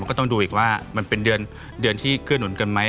มันก็ต้องดูอีกว่ามันเป็นเดือนเดือนที่เคลื่อนหนุนกันไหม